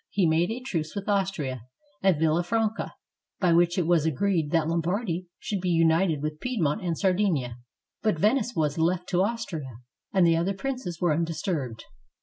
He made a truce with Austria at Villafranca by which it was agreed that Lombardy should be united with Piedmont and Sardinia, but Venice was left to Austria, and the other princes were undisturbed.